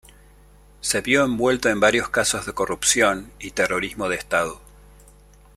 Se vio envuelto en varios casos de corrupción y terrorismo de Estado.